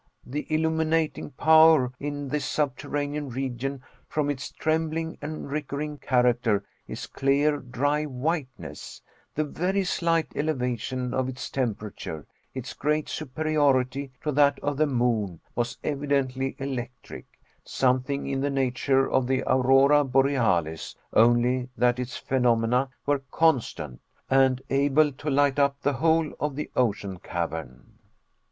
The illuminating power in this subterranean region, from its trembling and Rickering character, its clear dry whiteness, the very slight elevation of its temperature, its great superiority to that of the moon, was evidently electric; something in the nature of the aurora borealis, only that its phenomena were constant, and able to light up the whole of the ocean cavern.